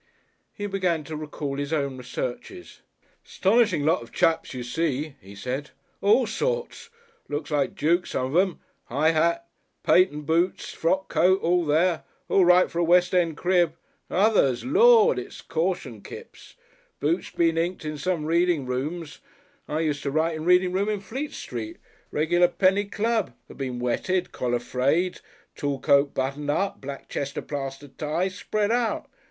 He began to recall his own researches. "'Stonishing lot of chaps you see," he said. "All sorts. Look like Dukes some of 'em. High hat. Patent boots. Frock coat. All there. All right for a West End crib. Others Lord! It's a caution, Kipps. Boots been inked in some reading rooms I used to write in a Reading Room in Fleet Street, regular penny club hat been wetted, collar frayed, tail coat buttoned up, black chest plaster tie spread out.